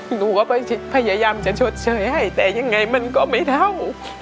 หนูก็ไปพยายามจะชดเชยให้แต่ยังไงมันก็ไม่เท่า